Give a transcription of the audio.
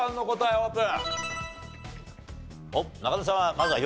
オープン！